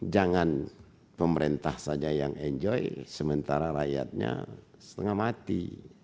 jangan pemerintah saja yang enjoy sementara rakyatnya setengah mati